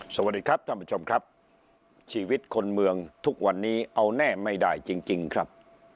สวัสดีครับท่านผู้ชมครับชีวิตคนเมืองทุกวันนี้เอาแน่ไม่ได้จริงครับ